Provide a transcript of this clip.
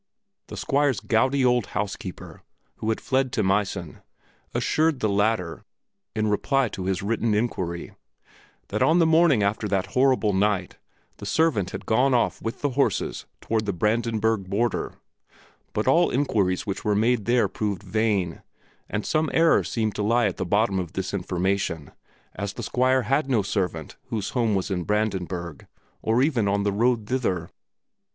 The Squire's gouty old housekeeper, who had fled to Meissen, assured the latter, in reply to his written inquiry, that on the morning after that horrible night the servant had gone off with the horses toward the Brandenburg border, but all inquiries which were made there proved vain, and some error seemed to lie at the bottom of this information, as the Squire had no servant whose home was in Brandenburg or even on the road thither.